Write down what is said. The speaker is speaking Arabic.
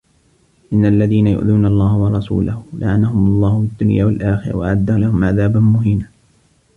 إِنَّ الَّذينَ يُؤذونَ اللَّهَ وَرَسولَهُ لَعَنَهُمُ اللَّهُ فِي الدُّنيا وَالآخِرَةِ وَأَعَدَّ لَهُم عَذابًا مُهينًا